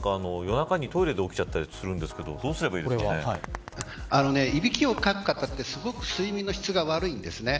あと夜中にトイレで起きちゃったりするんですけどいびきをかく方はすごく睡眠の質が悪いんです。